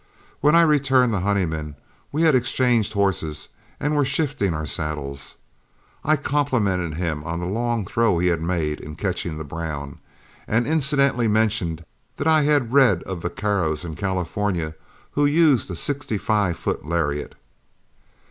When I returned to Honeyman, and we had exchanged horses and were shifting our saddles, I complimented him on the long throw he had made in catching the brown, and incidentally mentioned that I had read of vaqueros in California who used a sixty five foot lariat.